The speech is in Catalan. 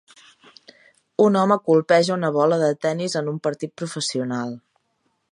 Un home colpeja una bola de tenis en un partit professional.